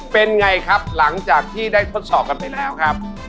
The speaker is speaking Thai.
เป็นไงครับหลังจากที่ได้ทดสอบกันไปแล้วครับ